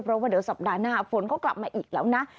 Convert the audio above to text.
เพราะว่าเดี๋ยวสัปดาห์หน้าฝนเขากลับมาอีกแล้วนะ